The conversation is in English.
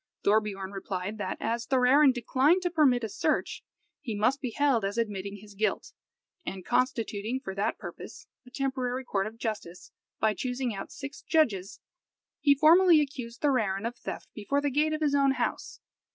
Thorbiorn replied, that as Thorarin declined to permit a search, he must be held as admitting his guilt; and constituting for that purpose a temporary court of justice, by choosing out six judges, he formally accused Thorarin of theft before the gate of his own house.